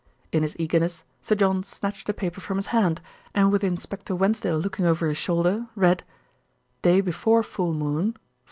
In his eagerness Sir John snatched the paper from his hand, and with Inspector Wensdale looking over his shoulder, read: Day before full moon